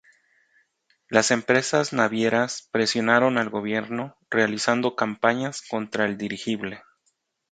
Las empresas navieras presionaron al gobierno realizando campañas contra el dirigible.